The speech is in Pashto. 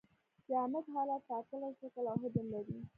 جامد حالت ټاکلی شکل او حجم لري.